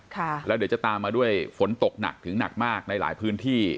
ค่ะแล้วเดี๋ยวจะตามมาด้วยฝนตกหนักถึงหนักมากในหลายพื้นที่